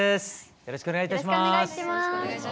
よろしくお願いします。